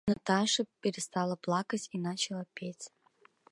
Наташа перестала плакать и начала петь.